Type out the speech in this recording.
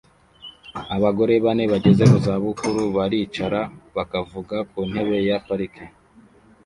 Abagore bane bageze mu zabukuru baricara bakavuga ku ntebe ya parike